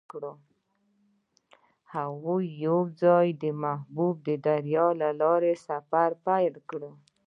هغوی یوځای د محبوب دریا له لارې سفر پیل کړ.